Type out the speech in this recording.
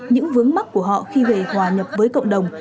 những vướng mắt của họ khi về hòa nhập với cộng đồng